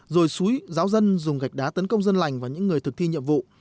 rồi xúi giáo dân dùng gạch đá tấn công dân lành và những người thực thi nhiệm vụ